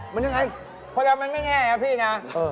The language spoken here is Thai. มันยังไงเพราะฉะนั้นมันไม่แง่พี่น่ะ